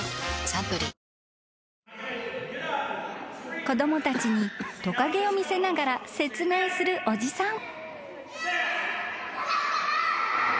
サントリー［子供たちにトカゲを見せながら説明するおじさん］